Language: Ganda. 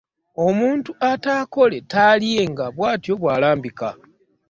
Omutu atakole talyenga bwatyo bwalambika .